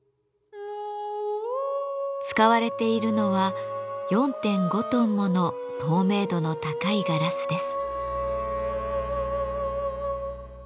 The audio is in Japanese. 使われているのは４．５トンもの透明度の高いガラスです。